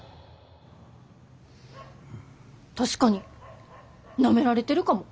確かになめられてるかも。